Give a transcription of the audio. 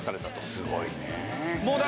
すごいね。